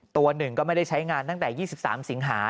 ตัวหนึ่งก็ไม่ได้ใช้งานตั้งแต่๒๓สิงหา